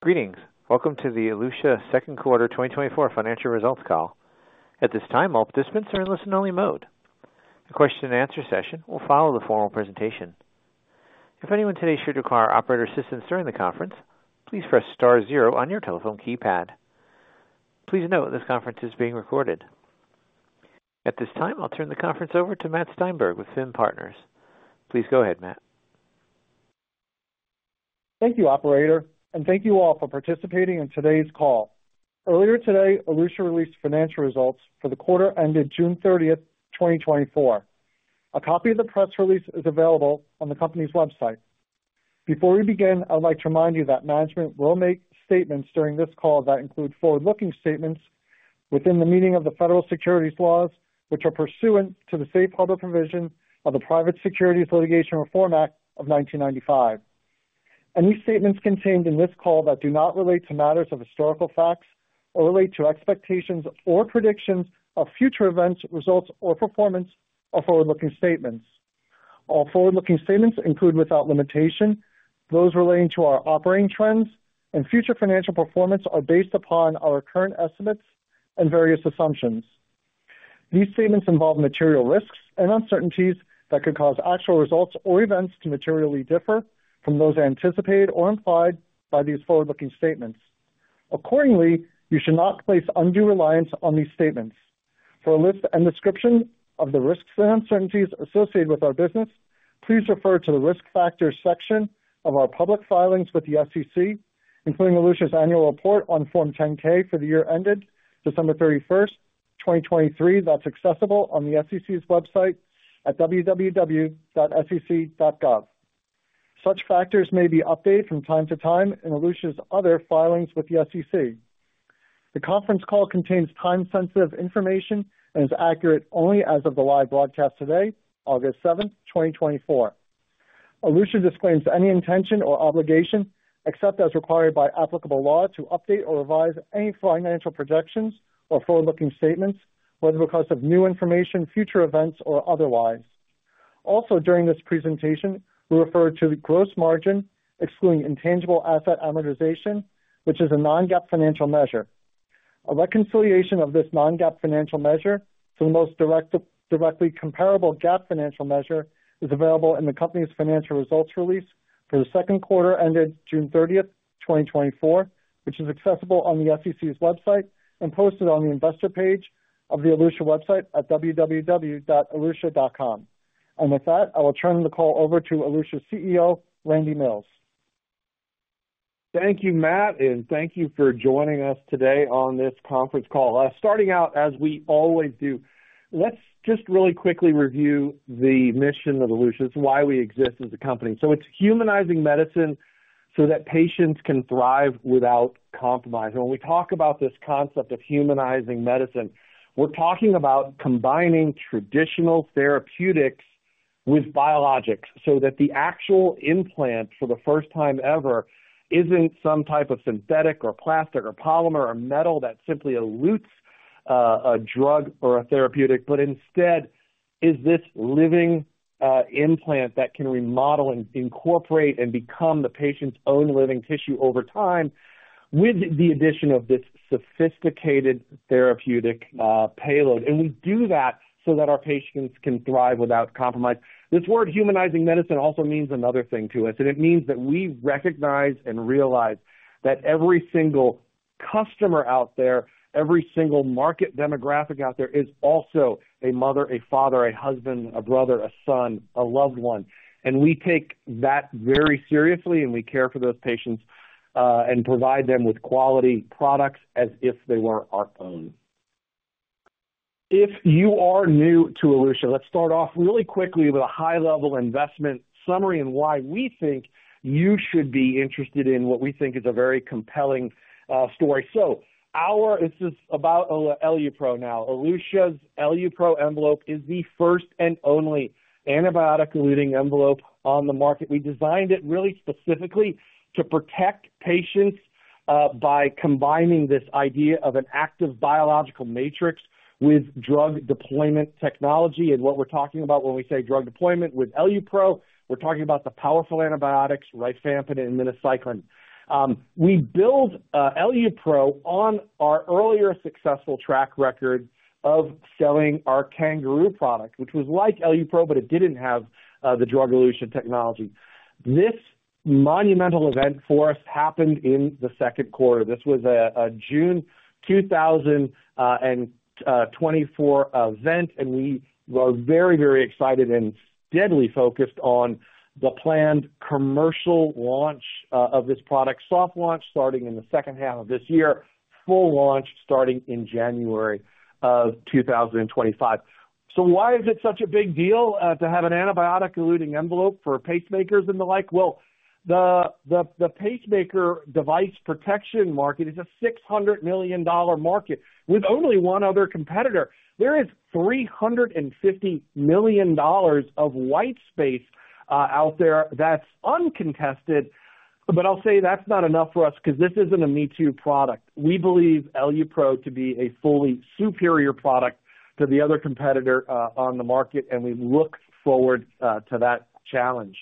Greetings. Welcome to the Elutia Second Quarter 2024 Financial Results Call. At this time, all participants are in listen-only mode. A question-and-answer session will follow the formal presentation. If anyone today should require operator assistance during the conference, please press star zero on your telephone keypad. Please note, this conference is being recorded. At this time, I'll turn the conference over to Matt Steinberg with Finn Partners. Please go ahead, Matt. Thank you, operator, and thank you all for participating in today's call. Earlier today, Elutia released financial results for the quarter ended June 30, 2024. A copy of the press release is available on the company's website. Before we begin, I'd like to remind you that management will make statements during this call that include forward-looking statements within the meaning of the federal securities laws, which are pursuant to the safe harbor provision of the Private Securities Litigation Reform Act of 1995. Any statements contained in this call that do not relate to matters of historical facts or relate to expectations or predictions of future events, results, or performance are forward-looking statements. All forward-looking statements include, without limitation, those relating to our operating trends and future financial performance are based upon our current estimates and various assumptions. These statements involve material risks and uncertainties that could cause actual results or events to materially differ from those anticipated or implied by these forward-looking statements. Accordingly, you should not place undue reliance on these statements. For a list and description of the risks and uncertainties associated with our business, please refer to the Risk Factors section of our public filings with the SEC, including Elutia's annual report on Form 10-K for the year ended December 31, 2023, that's accessible on the SEC's website at www.sec.gov. Such factors may be updated from time to time in Elutia's other filings with the SEC. The conference call contains time-sensitive information and is accurate only as of the live broadcast today, August 7, 2024. Elutia disclaims any intention or obligation, except as required by applicable law, to update or revise any financial projections or forward-looking statements, whether because of new information, future events, or otherwise. Also, during this presentation, we refer to the gross margin, excluding intangible asset amortization, which is a non-GAAP financial measure. A reconciliation of this non-GAAP financial measure to the most directly comparable GAAP financial measure is available in the company's financial results release for the second quarter ended June 30, 2024, which is accessible on the SEC's website and posted on the investor page of the Elutia website at www.elutia.com. With that, I will turn the call over to Elutia's CEO, Randy Mills. Thank you, Matt, and thank you for joining us today on this conference call. Starting out, as we always do, let's just really quickly review the mission of Elutia. It's why we exist as a company. So it's humanizing medicine so that patients can thrive without compromise. And when we talk about this concept of humanizing medicine, we're talking about combining traditional therapeutics with biologics so that the actual implant, for the first time ever, isn't some type of synthetic or plastic or polymer or metal that simply elutes a drug or a therapeutic, but instead is this living implant that can remodel and incorporate and become the patient's own living tissue over time, with the addition of this sophisticated therapeutic payload. And we do that so that our patients can thrive without compromise. This word, humanizing medicine, also means another thing to us, and it means that we recognize and realize that every single customer out there, every single market demographic out there, is also a mother, a father, a husband, a brother, a son, a loved one, and we take that very seriously, and we care for those patients and provide them with quality products as if they were our own. If you are new to Elutia, let's start off really quickly with a high-level investment summary and why we think you should be interested in what we think is a very compelling story. This is about EluPro now. Elutia's EluPro envelope is the first and only antibiotic-eluting envelope on the market. We designed it really specifically to protect patients by combining this idea of an active biological matrix with drug deployment technology. And what we're talking about when we say drug deployment with EluPro, we're talking about the powerful antibiotics, rifampin and minocycline. We build EluPro on our earlier successful track record of selling our CanGaroo product, which was like EluPro, but it didn't have the drug elution technology. This monumental event for us happened in the second quarter. This was a June 2024 event, and we were very, very excited and deeply focused on the planned commercial launch of this product. Soft launch starting in the second half of this year. Full launch starting in January 2025. So why is it such a big deal to have an antibiotic-eluting envelope for pacemakers and the like? Well, the pacemaker device protection market is a $600 million market with only one other competitor. There is $350 million of white space out there that's uncontested. But I'll say that's not enough for us because this isn't a me-too product. We believe EluPro to be a fully superior product to the other competitor on the market, and we look forward to that challenge.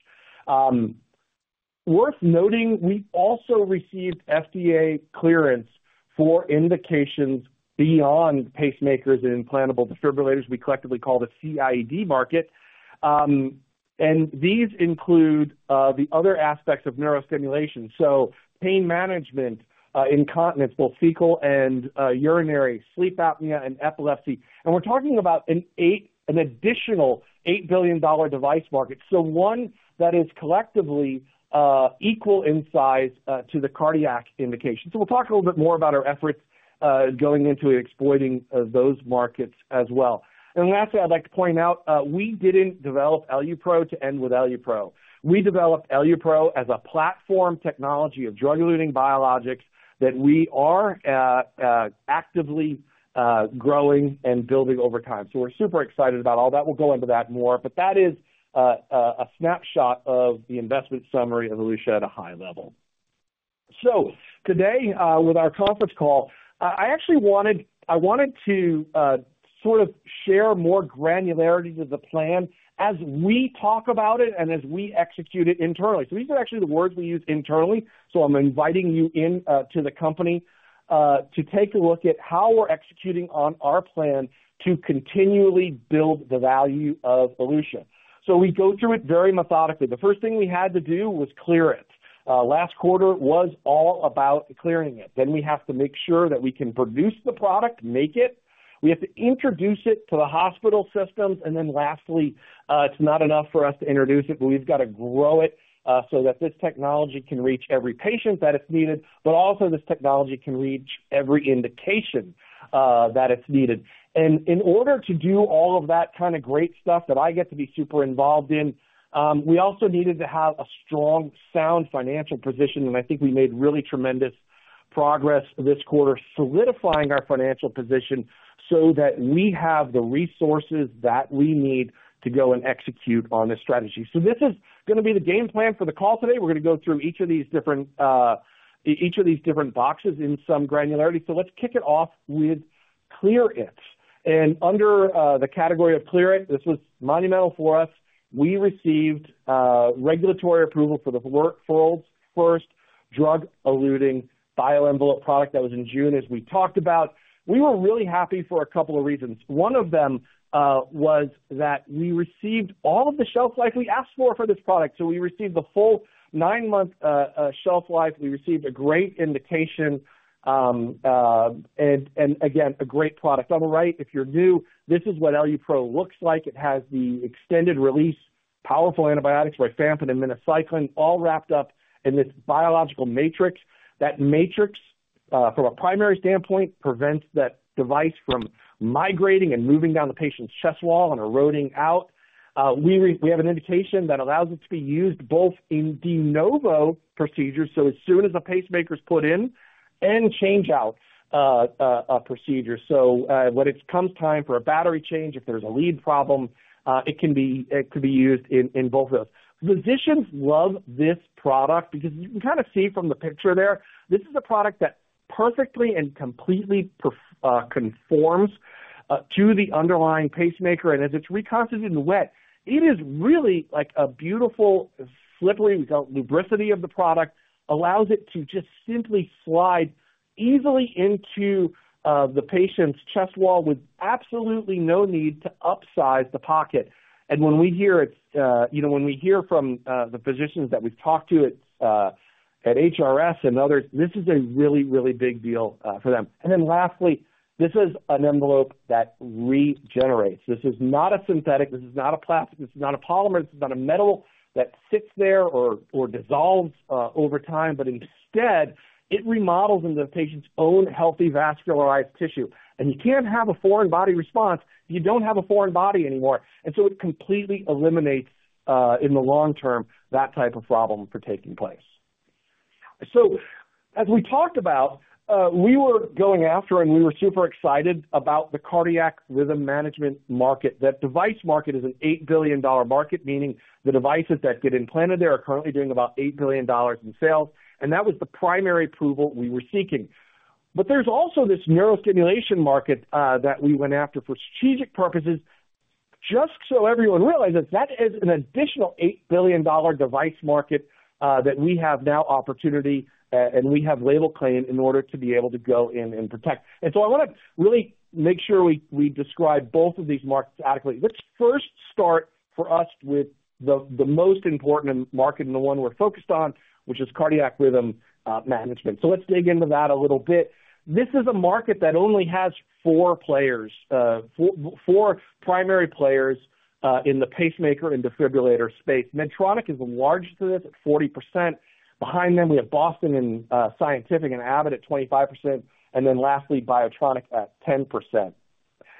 Worth noting, we also received FDA clearance for indications beyond pacemakers and implantable defibrillators. We collectively call the CIED market, and these include the other aspects of neurostimulation. So pain management, incontinence, both fecal and urinary, sleep apnea, and epilepsy. And we're talking about an additional $8 billion device market. So one that is collectively equal in size to the cardiac indication. So we'll talk a little bit more about our efforts going into exploiting those markets as well. And lastly, I'd like to point out, we didn't develop EluPro to end with EluPro. We developed EluPro as a platform technology of drug-eluting biologics that we are actively growing and building over time. So we're super excited about all that. We'll go into that more, but that is a snapshot of the investment summary of Elutia at a high level. So today, with our conference call, I actually wanted—I wanted to sort of share more granularity to the plan as we talk about it and as we execute it internally. So these are actually the words we use internally. So I'm inviting you in to the company to take a look at how we're executing on our plan to continually build the value of Elutia. So we go through it very methodically. The first thing we had to do was clear it. Last quarter was all about clearing it. Then we have to make sure that we can produce the product, make it, we have to introduce it to the hospital systems. And then lastly, it's not enough for us to introduce it, but we've got to grow it, so that this technology can reach every patient that it's needed, but also this technology can reach every indication, that it's needed. And in order to do all of that kind of great stuff that I get to be super involved in, we also needed to have a strong, sound financial position. And I think we made really tremendous progress this quarter, solidifying our financial position so that we have the resources that we need to go and execute on this strategy. So this is gonna be the game plan for the call today. We're gonna go through each of these different, each of these different boxes in some granularity. So let's kick it off with Elutia. And under the category of Elutia, this was monumental for us. We received regulatory approval for the world's first drug-eluting BioEnvelope product. That was in June, as we talked about. We were really happy for a couple of reasons. One of them was that we received all of the shelf life we asked for for this product. So we received the full nine-month shelf life. We received a great indication, and, and again, a great product. On the right, if you're new, this is what EluPro looks like. It has the extended release, powerful antibiotics, rifampin and minocycline, all wrapped up in this biological matrix. That matrix, from a primary standpoint, prevents that device from migrating and moving down the patient's chest wall and eroding out. We have an indication that allows it to be used both in de novo procedures, so as soon as a pacemaker's put in and change out a procedure. When it comes time for a battery change, if there's a lead problem, it can be used in both of those. Physicians love this product because you can kind of see from the picture there, this is a product that perfectly and completely conforms to the underlying pacemaker, and as it's reconstituted and wet, it is really like a beautiful, slippery, we got lubricity of the product, allows it to just simply slide easily into the patient's chest wall with absolutely no need to upsize the pocket. And when we hear it, you know, when we hear from the physicians that we've talked to at HRS and others, this is a really, really big deal for them. And then lastly, this is an envelope that regenerates. This is not a synthetic, this is not a plastic, this is not a polymer, this is not a metal that sits there or, or dissolves over time, but instead it remodels into the patient's own healthy vascularized tissue. And you can't have a foreign body response, you don't have a foreign body anymore, and so it completely eliminates, in the long term, that type of problem from taking place. So as we talked about, we were going after and we were super excited about the cardiac rhythm management market. That device market is an $8 billion market, meaning the devices that get implanted there are currently doing about $8 billion in sales, and that was the primary approval we were seeking. But there's also this neurostimulation market that we went after for strategic purposes. Just so everyone realizes, that is an additional $8 billion device market, that we have now opportunity, and we have label claim in order to be able to go in and protect. So I wanna really make sure we describe both of these markets adequately. Let's first start for us with the most important market and the one we're focused on, which is cardiac rhythm management. So let's dig into that a little bit. This is a market that only has four players, four primary players, in the pacemaker and defibrillator space. Medtronic is the largest of this at 40%. Behind them, we have Boston Scientific and Abbott at 25%, and then lastly, Biotronik at 10%.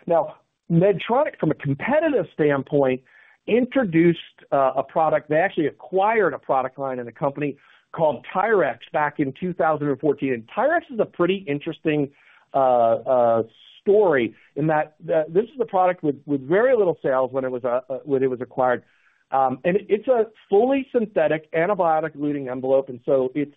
Now, Medtronic, from a competitive standpoint, introduced a product. They actually acquired a product line in a company called TYRX back in 2014. And TYRX is a pretty interesting story in that this is a product with very little sales when it was acquired. And it's a fully synthetic antibiotic-eluting envelope, and so it's.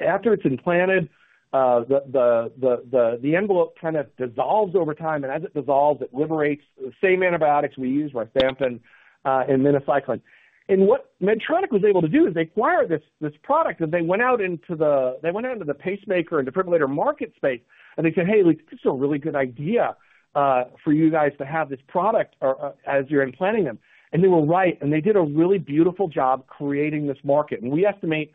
After it's implanted, the envelope kind of dissolves over time, and as it dissolves, it liberates the same antibiotics we use, rifampin, and minocycline. What Medtronic was able to do is they acquired this product, and they went out into the pacemaker and defibrillator market space, and they said, "Hey, look, this is a really good idea for you guys to have this product or as you're implanting them." And they were right, and they did a really beautiful job creating this market. And we estimate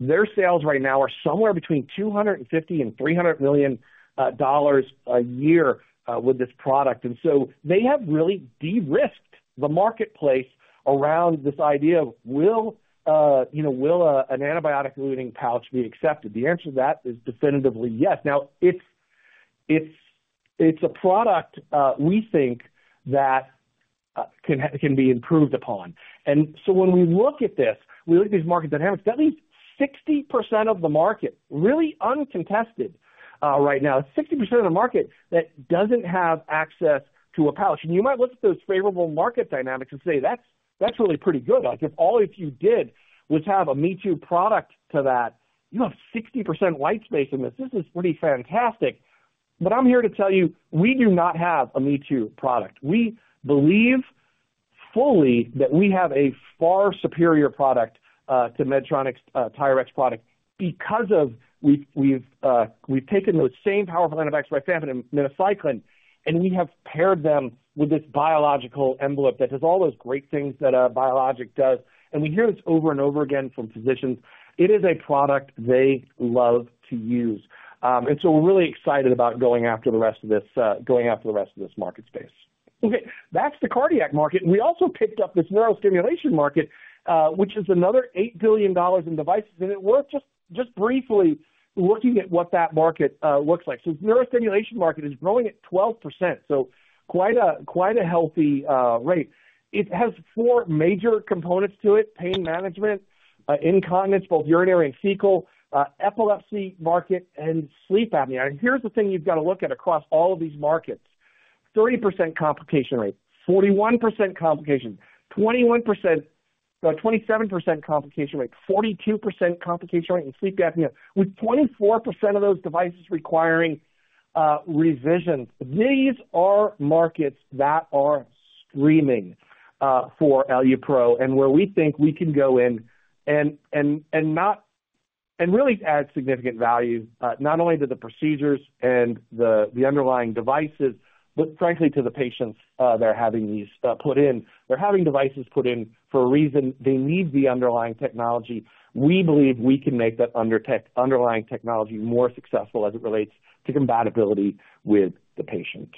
their sales right now are somewhere between $250 million and $300 million a year with this product. And so they have really de-risked the marketplace around this idea of will, you know, will an antibiotic-eluting pouch be accepted? The answer to that is definitively yes. Now, it's a product we think that can be improved upon. And so when we look at this, we look at these market dynamics. That leaves 60% of the market, really uncontested, right now. 60% of the market that doesn't have access to a pouch. And you might look at those favorable market dynamics and say, that's, that's really pretty good. Like, if you did was have a me-too product to that, you have 60% white space in this. This is pretty fantastic. But I'm here to tell you, we do not have a me-too product. We believe fully that we have a far superior product to Medtronic's TYRX product. Because we've taken those same powerful antibiotics, rifampin and minocycline, and we have paired them with this biological envelope that does all those great things that a biologic does. And we hear this over and over again from physicians. It is a product they love to use. And so we're really excited about going after the rest of this market space. Okay, that's the cardiac market. We also picked up this neurostimulation market, which is another $8 billion in devices. It's worth just briefly looking at what that market looks like. So neurostimulation market is growing at 12%, so quite a healthy rate. It has four major components to it: pain management, incontinence, both urinary and fecal, epilepsy market, and sleep apnea. Here's the thing you've got to look at across all of these markets. 30% complication rate, 41% complication, 21%, 27% complication rate, 42% complication rate in sleep apnea, with 24% of those devices requiring revision. These are markets that are screaming for EluPro and where we think we can go in and really add significant value, not only to the procedures and the underlying devices, but frankly, to the patients that are having these put in. They're having devices put in for a reason. They need the underlying technology. We believe we can make that underlying technology more successful as it relates to compatibility with the patient.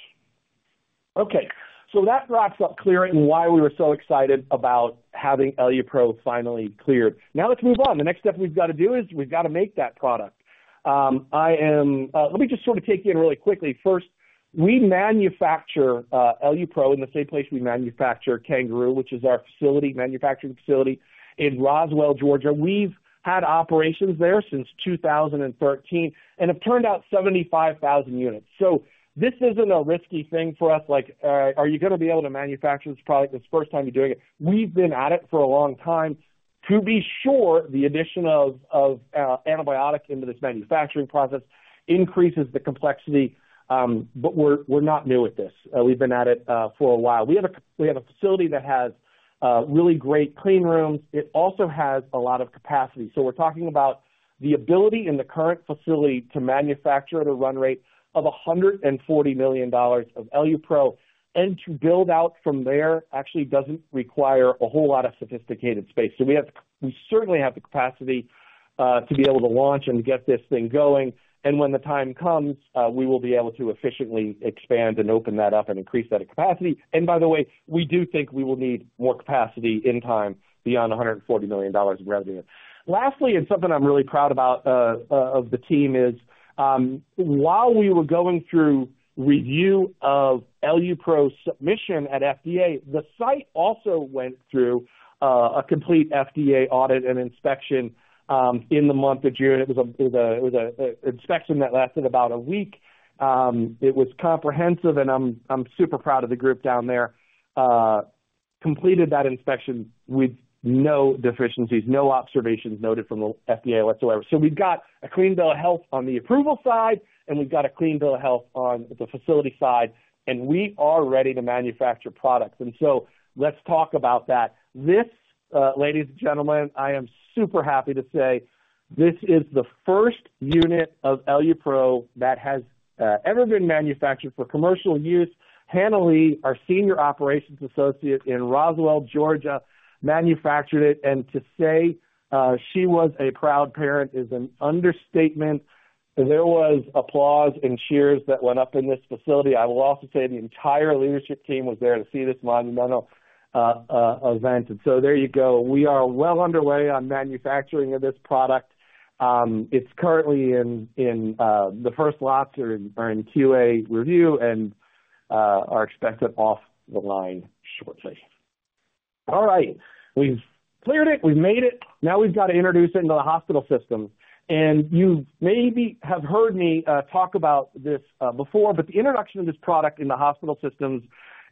Okay, so that wraps up clearing why we were so excited about having EluPro finally cleared. Now let's move on. The next step we've got to do is we've got to make that product. Let me just sort of take you in really quickly. First, we manufacture EluPro in the same place we manufacture CanGaroo, which is our facility, manufacturing facility in Roswell, Georgia. We've had operations there since 2013 and have turned out 75,000 units. So this isn't a risky thing for us, like, are you gonna be able to manufacture this product? It's the first time you're doing it. We've been at it for a long time. To be sure, the addition of antibiotic into this manufacturing process increases the complexity. But we're not new at this. We've been at it for a while. We have a facility that has really great clean rooms. It also has a lot of capacity. So we're talking about the ability in the current facility to manufacture at a run rate of $140 million of EluPro. To build out from there actually doesn't require a whole lot of sophisticated space. So we certainly have the capacity to be able to launch and get this thing going. And when the time comes, we will be able to efficiently expand and open that up and increase that capacity. And by the way, we do think we will need more capacity in time beyond $140 million in revenue. Lastly, and something I'm really proud about of the team is, while we were going through review of EluPro submission at FDA, the site also went through a complete FDA audit and inspection in the month of June. It was an inspection that lasted about a week. It was comprehensive, and I'm super proud of the group down there. Completed that inspection with no deficiencies, no observations noted from the FDA whatsoever. So we've got a clean bill of health on the approval side, and we've got a clean bill of health on the facility side, and we are ready to manufacture products. And so let's talk about that. This, ladies and gentlemen, I am super happy to say this is the first unit of EluPro that has ever been manufactured for commercial use. Hannah Lee, our senior operations associate in Roswell, Georgia, manufactured it, and to say she was a proud parent is an understatement. There was applause and cheers that went up in this facility. I will also say the entire leadership team was there to see this monumental event. And so there you go. We are well underway on manufacturing of this product. It's currently the first lots are in QA review and are expected off the line shortly. All right, we've cleared it, we've made it. Now we've got to introduce it into the hospital system. And you maybe have heard me talk about this before, but the introduction of this product in the hospital systems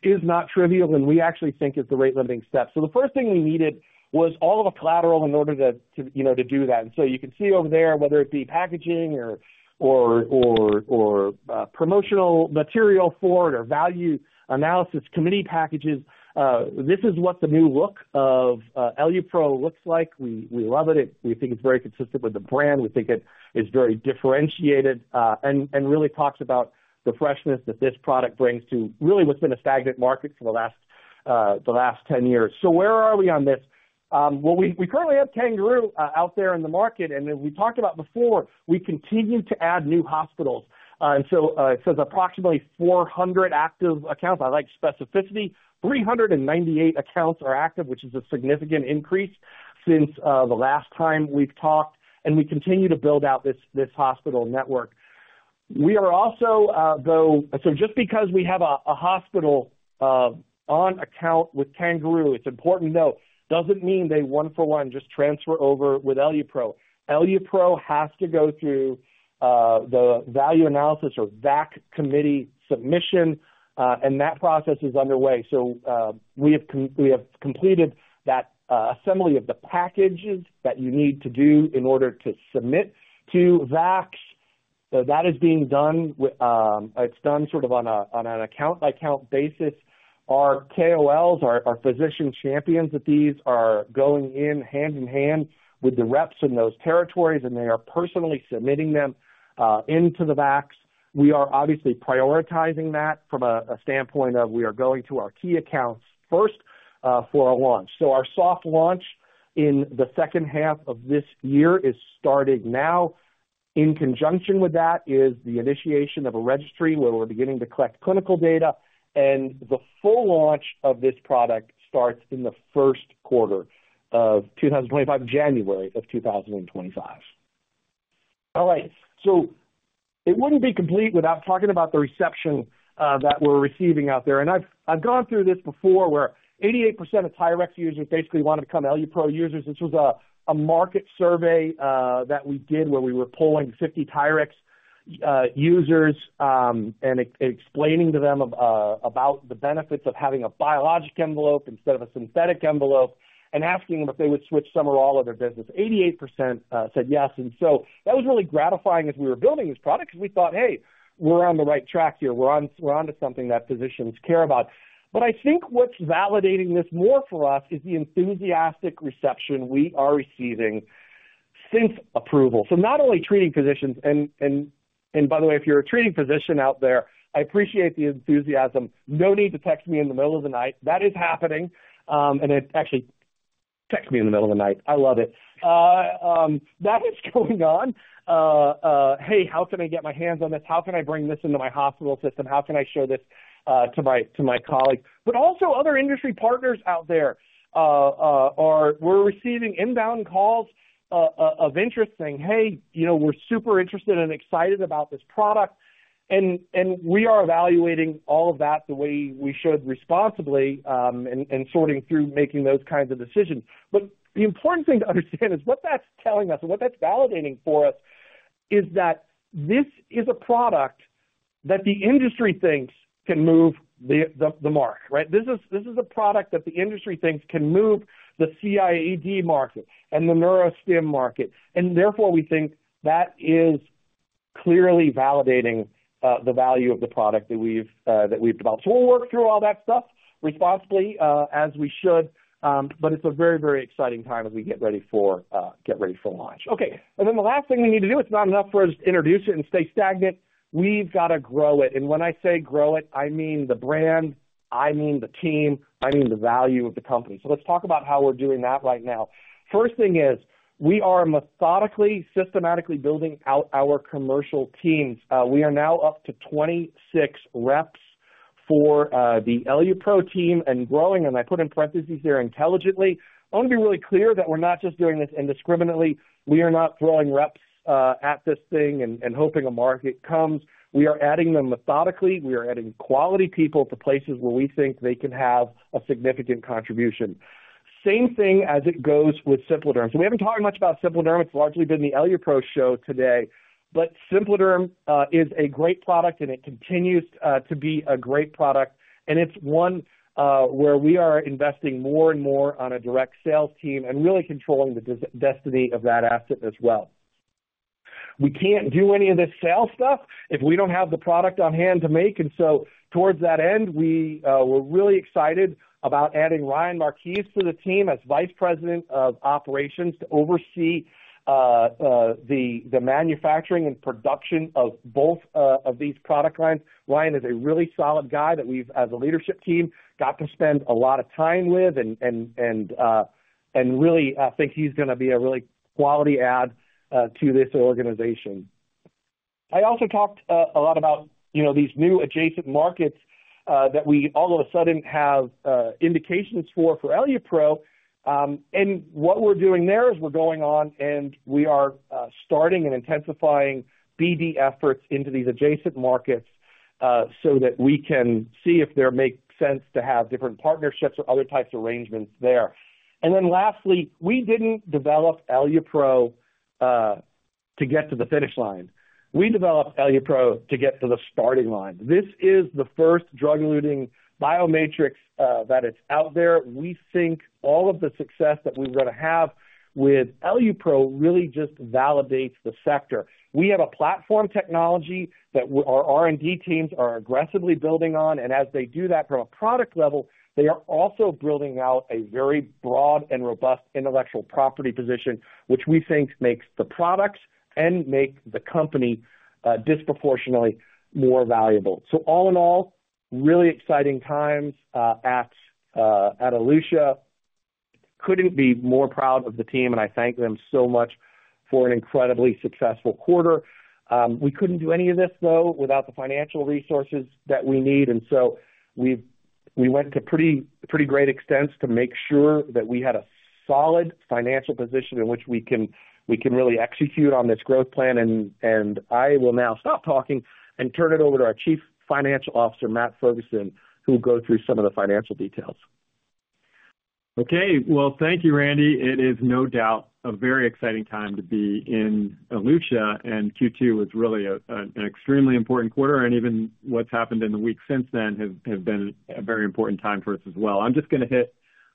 is not trivial, and we actually think it's the rate-limiting step. So the first thing we needed was all of the collateral in order to you know to do that. And so you can see over there, whether it be packaging or promotional material for it or value analysis committee packages, this is what the new look of EluPro looks like. We love it. We think it's very consistent with the brand. We think it is very differentiated, and, and really talks about the freshness that this product brings to really what's been a stagnant market for the last 10 years. So where are we on this? Well, we currently have CanGaroo out there in the market, and as we talked about before, we continue to add new hospitals, and so it says approximately 400 active accounts. I like specificity. 398 accounts are active, which is a significant increase since the last time we've talked, and we continue to build out this hospital network. We are also. So just because we have a hospital on account with CanGaroo, it's important to note, doesn't mean they one for one just transfer over with EluPro. EluPro has to go through the value analysis or VAC committee submission, and that process is underway. So, we have completed that assembly of the packages that you need to do in order to submit to VAC. So that is being done with—it's done sort of on a, on an account-by-account basis. Our KOLs, our physician champions of these, are going in hand-in-hand with the reps in those territories, and they are personally submitting them into the VACs. We are obviously prioritizing that from a standpoint of we are going to our key accounts first for our launch. So our soft launch in the second half of this year is starting now. In conjunction with that is the initiation of a registry where we're beginning to collect clinical data, and the full launch of this product starts in the first quarter of 2025, January of 2025. All right, so it wouldn't be complete without talking about the reception that we're receiving out there. And I've gone through this before, where 88% of TYRX users basically want to become EluPro users. This was a market survey that we did where we were polling 50 TYRX users and explaining to them about the benefits of having a biologic envelope instead of a synthetic envelope and asking them if they would switch some or all of their business. 88% said yes, and so that was really gratifying as we were building this product because we thought, "Hey, we're on the right track here. We're onto something that physicians care about." But I think what's validating this more for us is the enthusiastic reception we are receiving since approval. So not only treating physicians, and by the way, if you're a treating physician out there, I appreciate the enthusiasm. No need to text me in the middle of the night. That is happening, and it—actually, text me in the middle of the night. I love it. That is going on. "Hey, how can I get my hands on this? How can I bring this into my hospital system? How can I show this to my colleagues?" But also other industry partners out there are. We're receiving inbound calls of interest saying, "Hey, you know, we're super interested and excited about this product." And we are evaluating all of that the way we should responsibly, and sorting through making those kinds of decisions. But the important thing to understand is what that's telling us and what that's validating for us is that this is a product that the industry thinks can move the market, right? This is a product that the industry thinks can move the CIED market and the neurostim market, and therefore we think that is clearly validating the value of the product that we've developed. So we'll work through all that stuff responsibly, as we should, but it's a very, very exciting time as we get ready for, get ready for launch. Okay, and then the last thing we need to do, it's not enough for us to introduce it and stay stagnant. We've got to grow it. And when I say grow it, I mean the brand, I mean the team, I mean the value of the company. So let's talk about how we're doing that right now. First thing is we are methodically, systematically building out our commercial teams. We are now up to 26 reps for the EluPro team and growing, and I put in parentheses here, intelligently. I want to be really clear that we're not just doing this indiscriminately. We are not throwing reps at this thing and hoping a market comes. We are adding them methodically. We are adding quality people to places where we think they can have a significant contribution. Same thing as it goes with SimpliDerm. So we haven't talked much about SimpliDerm. It's largely been the EluPro show today. But SimpliDerm is a great product, and it continues to be a great product, and it's one where we are investing more and more on a direct sales team and really controlling the destiny of that asset as well. We can't do any of this sales stuff if we don't have the product on hand to make, and so towards that end, we're really excited about adding Ryan Marquis to the team as Vice President of Operations to oversee the manufacturing and production of both of these product lines. Ryan is a really solid guy that we've, as a leadership team, got to spend a lot of time with and really, I think he's gonna be a really quality add to this organization. I also talked a lot about, you know, these new adjacent markets that we all of a sudden have indications for EluPro. And what we're doing there is we're going on, and we are starting and intensifying BD efforts into these adjacent markets so that we can see if they make sense to have different partnerships or other types of arrangements there. And then lastly, we didn't develop EluPro to get to the finish line. We developed EluPro to get to the starting line. This is the first drug-eluting biomatrix that is out there. We think all of the success that we're gonna have with EluPro really just validates the sector. We have a platform technology that our R&D teams are aggressively building on, and as they do that from a product level, they are also building out a very broad and robust intellectual property position, which we think makes the products and makes the company disproportionately more valuable. So all in all, really exciting times at Elutia. Couldn't be more proud of the team, and I thank them so much for an incredibly successful quarter. We couldn't do any of this, though, without the financial resources that we need. And so we went to pretty, pretty great extents to make sure that we had a solid financial position in which we can, we can really execute on this growth plan. I will now stop talking and turn it over to our Chief Financial Officer, Matt Ferguson, who will go through some of the financial details. Okay. Well, thank you, Randy. It is no doubt a very exciting time to be in Elutia, and Q2 was really an extremely important quarter, and even what's happened in the weeks since then has, have been a very important time for us as well. I'm just gonna hit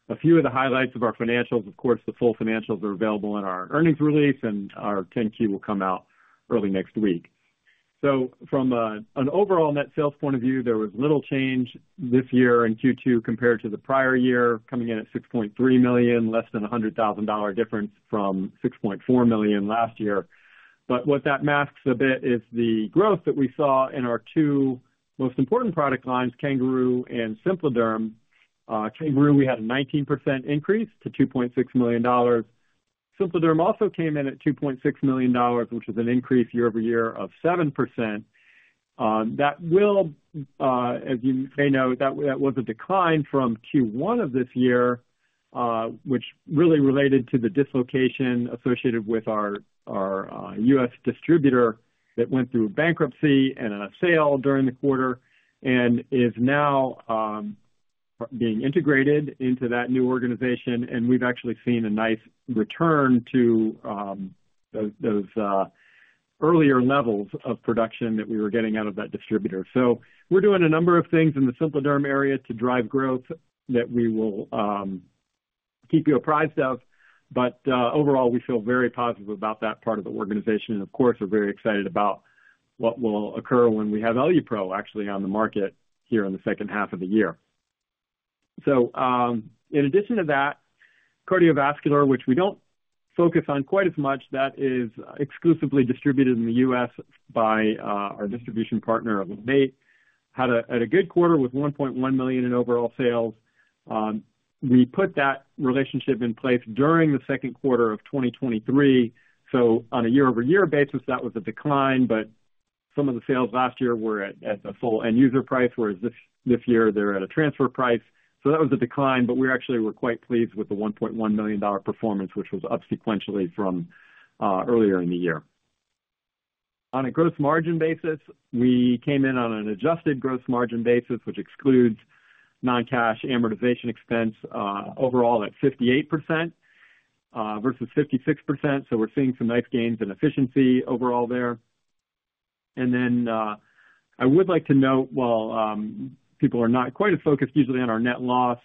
a few of the highlights of our financials. Of course, the full financials are available in our earnings release, and our 10-Q will come out early next week. So from an overall net sales point of view, there was little change this year in Q2 compared to the prior year, coming in at $6.3 million, less than a $100,000 difference from $6.4 million last year. But what that masks a bit is the growth that we saw in our two most important product lines, CanGaroo and SimpliDerm. CanGaroo, we had a 19% increase to $2.6 million. SimpliDerm also came in at $2.6 million, which is an increase year-over-year of 7%. That will, as you may know, that was a decline from Q1 of this year, which really related to the dislocation associated with our US distributor that went through bankruptcy and a sale during the quarter and is now being integrated into that new organization, and we've actually seen a nice return to those earlier levels of production that we were getting out of that distributor. So we're doing a number of things in the SimpliDerm area to drive growth that we will keep you apprised of, but overall, we feel very positive about that part of the organization. And of course, we're very excited about what will occur when we have EluPro actually on the market here in the second half of the year. So, in addition to that, cardiovascular, which we don't focus on quite as much, that is exclusively distributed in the US by our distribution partner, LeMaitre, had a good quarter with $1.1 million in overall sales. We put that relationship in place during the second quarter of 2023. So on a year-over-year basis, that was a decline, but some of the sales last year were at a full end-user price, whereas this year they're at a transfer price. So that was a decline, but we actually were quite pleased with the $1.1 million dollar performance, which was up sequentially from earlier in the year. On a gross margin basis, we came in on an adjusted gross margin basis, which excludes non-cash amortization expense, overall at 58%, versus 56%. So we're seeing some nice gains in efficiency overall there. And then, I would like to note, while people are not quite as focused usually on our net loss,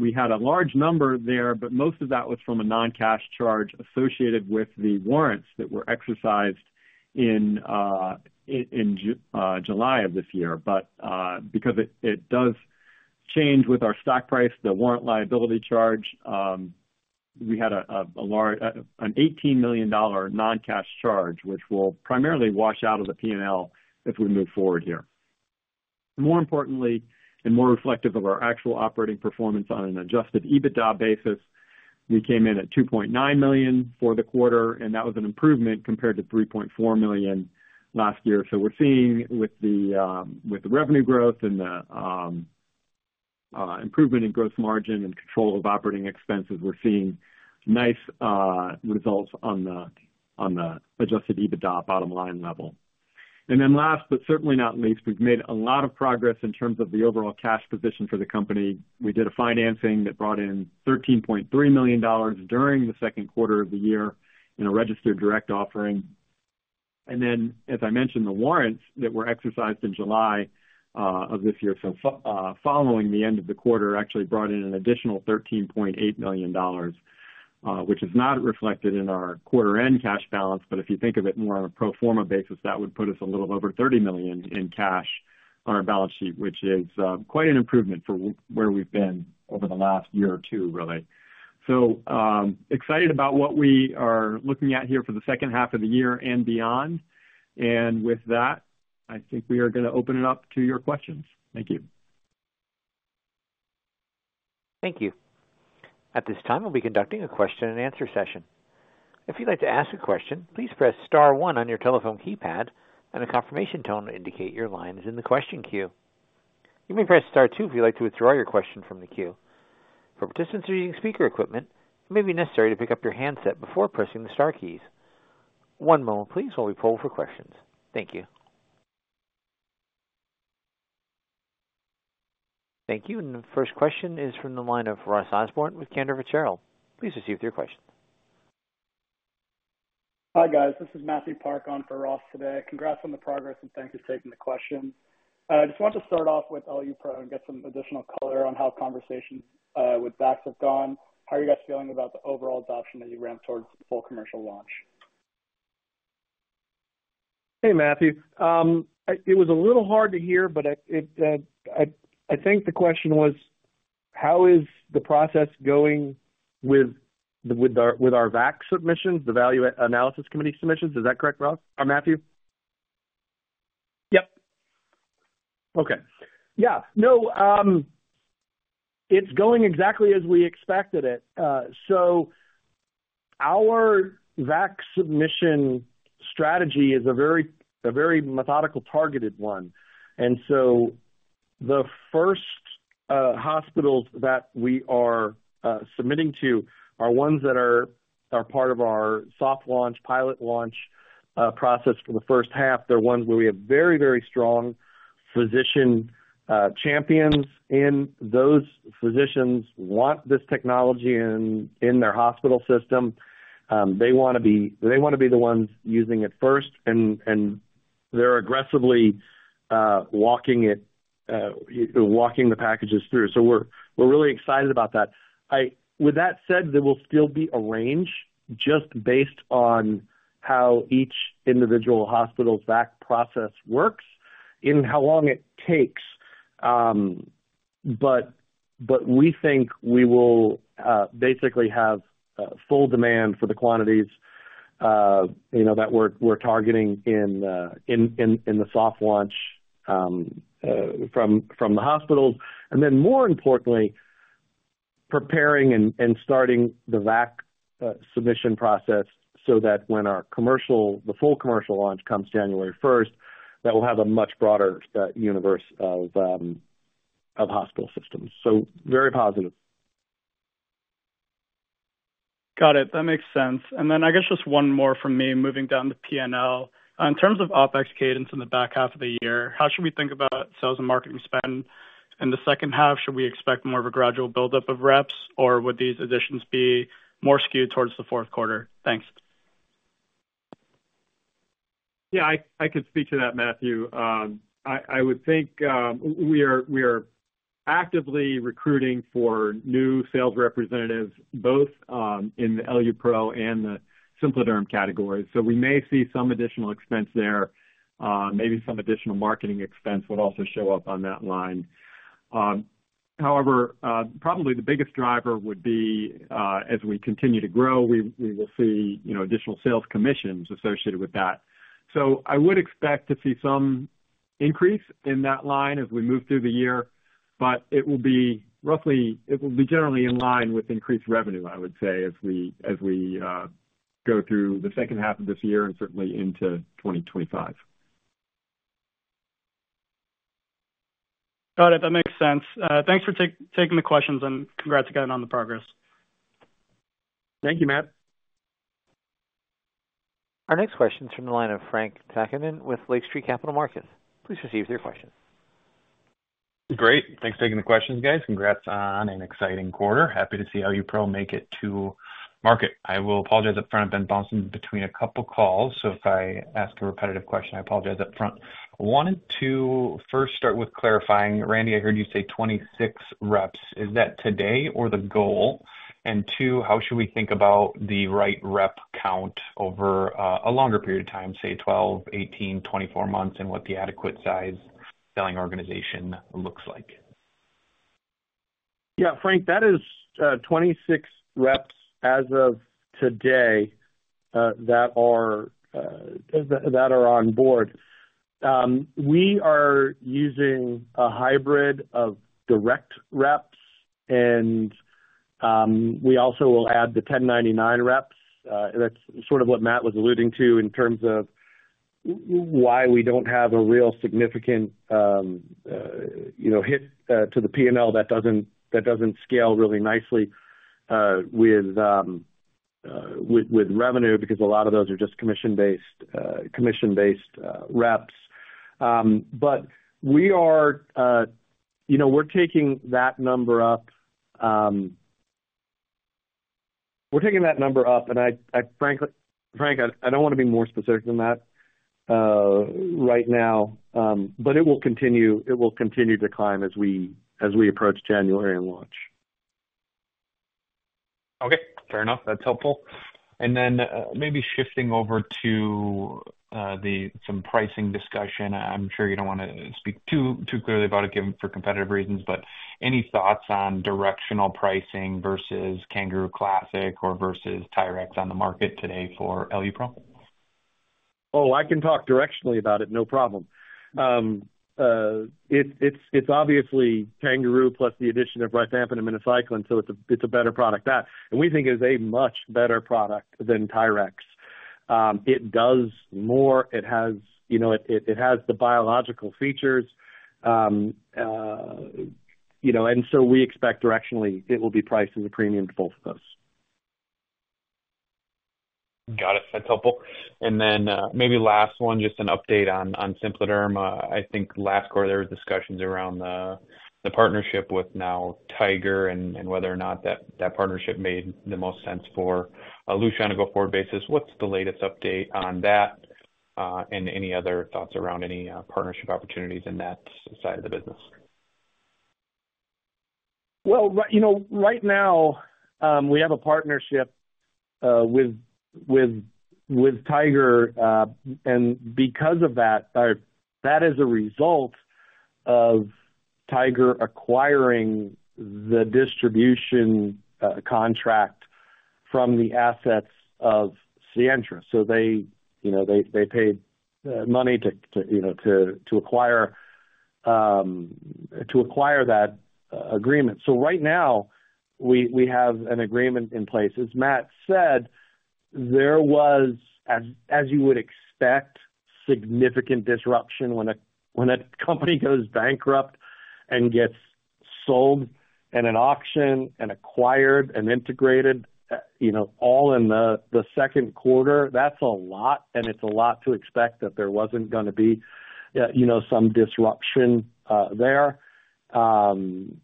we had a large number there, but most of that was from a non-cash charge associated with the warrants that were exercised in July of this year. But, because it does change with our stock price, the warrant liability charge, we had a large—an $18 million non-cash charge, which will primarily wash out of the P&L as we move forward here. More importantly, and more reflective of our actual operating performance on an adjusted EBITDA basis, we came in at $2.9 million for the quarter, and that was an improvement compared to $3.4 million last year. So we're seeing with the, with the revenue growth and the, improvement in gross margin and control of operating expenses, we're seeing nice, results on the, on the adjusted EBITDA bottom line level. And then last, but certainly not least, we've made a lot of progress in terms of the overall cash position for the company. We did a financing that brought in $13.3 million during the second quarter of the year in a registered direct offering. And then, as I mentioned, the warrants that were exercised in July of this year, following the end of the quarter, actually brought in an additional $13.8 million, which is not reflected in our quarter-end cash balance. But if you think of it more on a pro forma basis, that would put us a little over $30 million in cash on our balance sheet, which is quite an improvement from where we've been over the last year or two, really. So, excited about what we are looking at here for the second half of the year and beyond. And with that, I think we are gonna open it up to your questions. Thank you. Thank you. At this time, we'll be conducting a question and answer session. If you'd like to ask a question, please press star one on your telephone keypad, and a confirmation tone will indicate your line is in the question queue. You may press Star two if you'd like to withdraw your question from the queue. For participants using speaker equipment, it may be necessary to pick up your handset before pressing the star keys. One moment, please, while we poll for questions. Thank you. Thank you. And the first question is from the line of Ross Osborne with Cantor Fitzgerald. Please proceed with your question. Hi, guys. This is Matthew Park on for Ross today. Congrats on the progress, and thanks for taking the question. I just wanted to start off with EluPro and get some additional color on how conversations with VAC have gone. How are you guys feeling about the overall adoption as you ramp towards full commercial launch? Hey, Matthew. It was a little hard to hear, but I think the question was: How is the process going with our VAC submissions, the Value Analysis Committee submissions? Is that correct, Ross or Matthew? Yep. Okay. Yeah. No, it's going exactly as we expected it. So our VAC submission strategy is a very, a very methodical, targeted one. And so the first hospitals that we are submitting to are ones that are part of our soft launch, pilot launch process for the first half. They're ones where we have very, very strong physician champions, and those physicians want this technology in their hospital system. They want to be-- They want to be the ones using it first, and they're aggressively walking it, walking the packages through. So we're really excited about that. With that said, there will still be a range just based on how each individual hospital's VAC process works and how long it takes. But we think we will basically have full demand for the quantities you know that we're targeting in the soft launch from the hospitals, and then, more importantly, preparing and starting the VAC submission process so that when our commercial, the full commercial launch comes January first, that we'll have a much broader universe of hospital systems. So very positive. Got it. That makes sense. And then I guess just one more from me, moving down to P&L. In terms of OpEx cadence in the back half of the year, how should we think about sales and marketing spend in the second half? Should we expect more of a gradual buildup of reps, or would these additions be more skewed towards the fourth quarter? Thanks. Yeah, I can speak to that, Matthew. I would think, we are actively recruiting for new sales representatives both in the EluPro and the SimpliDerm categories, so we may see some additional expense there. Maybe some additional marketing expense would also show up on that line. However, probably the biggest driver would be, as we continue to grow, we will see, you know, additional sales commissions associated with that. So I would expect to see some increase in that line as we move through the year, but it will be —it will be generally in line with increased revenue, I would say, as we go through the second half of this year and certainly into 2025. Got it. That makes sense. Thanks for taking the questions, and congrats again on the progress. Thank you, Matt. Our next question is from the line of Frank Takkinen with Lake Street Capital Markets. Please proceed with your question. Great. Thanks for taking the questions, guys. Congrats on an exciting quarter. Happy to see how you EluPro make it to market. I will apologize up front. I've been bouncing between a couple calls, so if I ask a repetitive question, I apologize up front. Wanted to first start with clarifying. Randy, I heard you say 26 reps. Is that today or the goal? And two, how should we think about the right rep count over a longer period of time, say, 12, 18, 24 months, and what the adequate size selling organization looks like? Yeah, Frank, that is 26 reps as of today that are on board. We are using a hybrid of direct reps, and we also will add the 1099 reps. That's sort of what Matt was alluding to in terms of why we don't have a real significant, you know, hit to the P&L that doesn't scale really nicely with revenue, because a lot of those are just commission-based reps. But we are, you know, we're taking that number up, we're taking that number up, and I, Frank, don't want to be more specific than that right now, but it will continue to climb as we approach January and launch. Okay, fair enough. That's helpful. And then, maybe shifting over to, the some pricing discussion. I'm sure you don't want to speak too, too clearly about it, given for competitive reasons, but any thoughts on directional pricing versus CanGaroo classic or versus TYRX on the market today for EluPro? Oh, I can talk directionally about it, no problem. It's obviously CanGaroo plus the addition of rifampin and minocycline, so it's a better product that—and we think it's a much better product than TYRX. It does more. It has, you know, the biological features, you know, and so we expect directionally it will be priced as a premium to both of those. Got it. That's helpful. And then, maybe last one, just an update on, on SimpliDerm. I think last quarter, there was discussions around the, the partnership with now Tiger and, and whether or not that, that partnership made the most sense for Elutia on a go-forward basis. What's the latest update on that, and any other thoughts around any, partnership opportunities in that side of the business? Well, you know, right now, we have a partnership with Tiger. And because of that, or that is a result of Tiger acquiring the distribution contract from the assets of Sientra. So they, you know, they paid money to, you know, to acquire that agreement. So right now, we have an agreement in place. As Matt said, there was, as you would expect, significant disruption when a company goes bankrupt and gets sold in an auction and acquired and integrated, you know, all in the second quarter, that's a lot, and it's a lot to expect that there wasn't gonna be, you know, some disruption there. And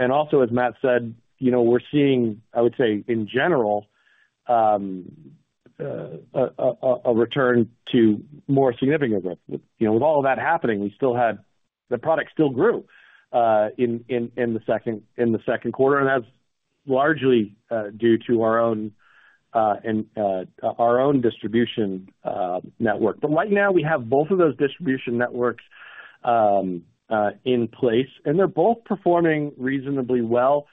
also, as Matt said, you know, we're seeing, I would say, in general, a return to more significant growth. You know, with all of that happening, we still had. The product still grew in the second quarter, and that's largely due to our own distribution network. But right now, we have both of those distribution networks in place, and they're both performing reasonably well.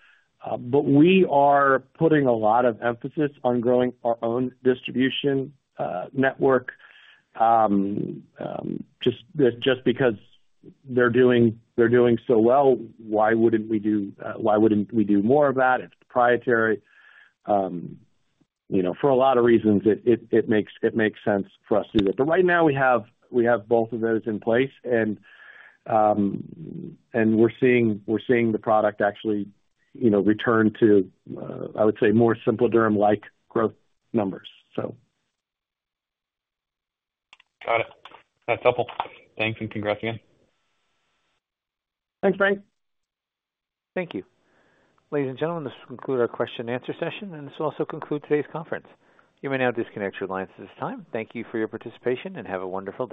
But we are putting a lot of emphasis on growing our own distribution network. Just because they're doing so well, why wouldn't we do more of that? It's proprietary. You know, for a lot of reasons, it makes sense for us to do that. But right now we have both of those in place, and we're seeing the product actually, you know, return to, I would say, more SimpliDerm—like growth numbers, so. Got it. That's helpful. Thanks, and congrats again. Thanks, Frank. Thank you. Ladies and gentlemen, this will conclude our question and answer session, and this will also conclude today's conference. You may now disconnect your lines at this time. Thank you for your participation, and have a wonderful day.